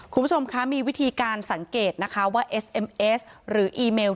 คุณผู้ชมคะมีวิธีการสังเกตนะคะว่าเอสเอ็มเอสหรืออีเมล